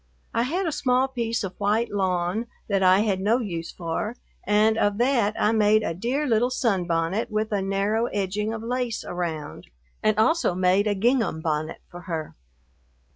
I had a small piece of white lawn that I had no use for, and of that I made a dear little sunbonnet with a narrow edging of lace around, and also made a gingham bonnet for her.